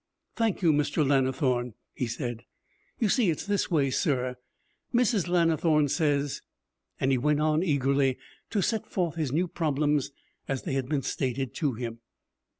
'Thank you, Mr. Lannithorne,' he said. 'You see, it's this way, sir. Mrs. Lannithorne says And he went on eagerly to set forth his new problems as they had been stated to him.